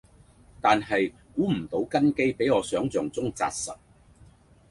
但係估唔到根基比我想像中紮實